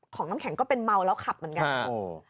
น้ำแข็งก็เป็นเมาแล้วขับเหมือนกัน